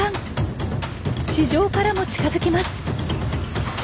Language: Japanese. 地上からも近づきます。